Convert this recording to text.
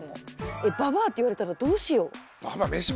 えっババアって言われたらどうしよう。